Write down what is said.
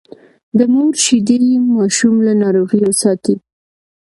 د مور شیدې ماشوم له ناروغیو ساتي۔